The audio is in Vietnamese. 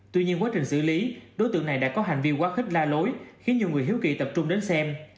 tuy nhiên quá trình xử lý đối tượng này đã có hành vi quá khích la lối khiến nhiều người hiếu kỳ tập trung đến xem